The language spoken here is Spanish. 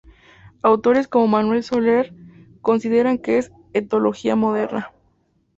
Autores como Manuel Soler, consideran que es etología moderna.